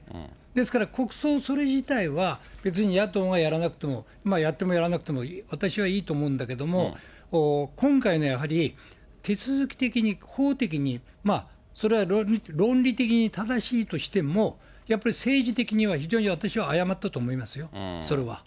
ですから、国葬それ自体は、別に野党がやらなくても、やってもやらなくても私はいいと思うんだけども、今回のやはり、手続き的に法的に、それが論理的に正しいとしても、やっぱり政治的には非常に、私は誤ったと思いますよ、それは。